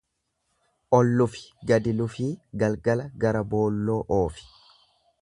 Ol lufi gadi lufii galgala gara boolloo oofi.